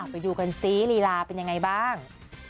ไปดูกันซิลีลาเป็นยังไงบ้าง